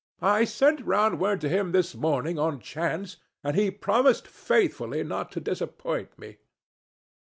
I sent round to him this morning on chance and he promised faithfully not to disappoint me."